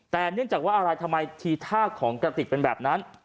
แต่เนื่องจากว่าอะไรทำไมทีท่าของกระติกเป็นแบบนั้น